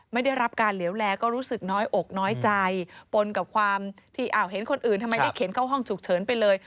ไม่ได้รับการเหลวแลก็รู้สึกน้อยอกน้อยใจปนกับความที่เห็นคนอื่นทำไมได้เข็นเข้าห้องฉุกเฉินไปเลย